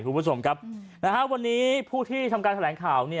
คุณผู้ชมครับวันนี้ผู้ที่ทำการแถลงข่าว